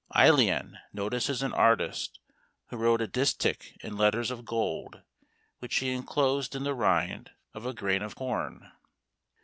Ælian notices an artist who wrote a distich in letters of gold, which he enclosed in the rind of a grain of corn.